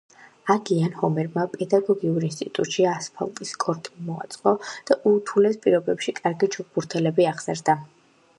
აქ, იან ჰომერმა პედაგოგიურ ინსტიტუტში ასფალტის კორტი მოაწყო და ურთულეს პირობებში კარგი ჩოგბურთელები აღზარდა.